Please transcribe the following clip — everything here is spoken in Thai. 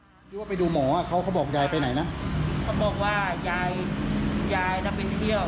หรือว่าไปดูหมออ่ะเขาเขาบอกยายไปไหนนะเขาบอกว่ายายยายน่ะเป็นเที่ยว